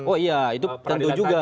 oh iya itu tentu juga